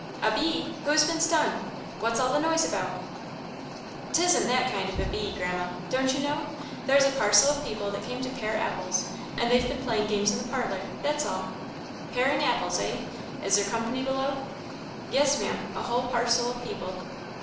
"A bee! who's been stung? what's all the noise about?" " 'T isn't that kind of bee, Grandma; don't you know? there's a parcel of people that came to pare apples, and they've been playing games in the parlour that's all." "Paring apples, eh? Is there company below?" "Yes, Maam a whole parcel of people."